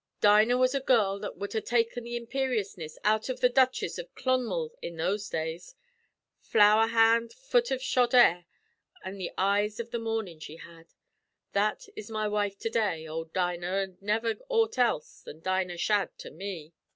Dinah was a girl that wud ha' taken the imperiousness out av the Duchess av Clonmel in those days. Flower hand, foot av shod air, an' the eyes av the mornin' she had. That is my wife to day ould Dinah, an' never aught else than Dinah Shadd to me.